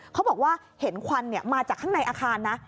เขาบอกว่าเห็นควันมาจากข้างในอาคารนะ